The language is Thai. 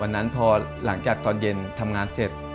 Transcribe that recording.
นั้นพอหลังจากตอนเย็นทำงานเสร็จ